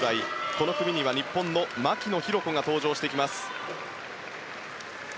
この組には、日本の牧野紘子が登場してきます。